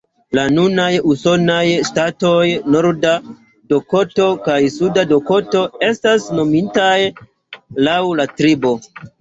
La nunaj usonaj ŝtatoj Norda Dakoto kaj Suda Dakoto estas nomitaj laŭ la tribo.